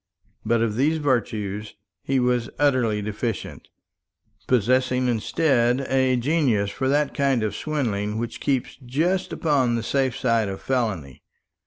But of these virtues he was utterly deficient, possessing instead a genius for that kind of swindling which keeps just upon the safe side of felony.